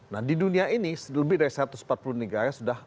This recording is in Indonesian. nah di dunia ini lebih dari satu ratus empat puluh negara sudah